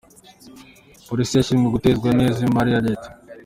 Polisi yashimwe gukoresha neza imari ya Leta